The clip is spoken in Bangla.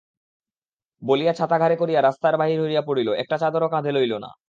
বলিয়া ছাতা ঘাড়ে করিয়া রাস্তায় বাহির হইয়া পড়িল– একটা চাদরও কাঁধে লইল না।